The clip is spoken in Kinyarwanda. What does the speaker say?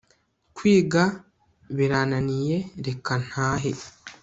kwiga birananiye reka ntahe